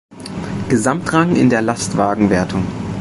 Gesamtrang in der Lastwagen Wertung.